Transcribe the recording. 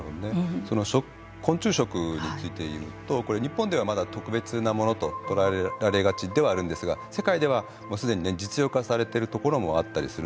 昆虫食について言うとこれ日本ではまだ特別なものと捉えられがちではあるんですが世界ではもう既にね実用化されてるところもあったりするんですよね。